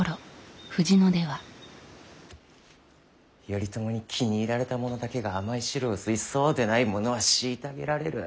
頼朝に気に入られた者だけが甘い汁を吸いそうでない者は虐げられる。